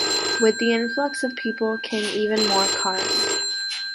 With the influx of people came even more cars.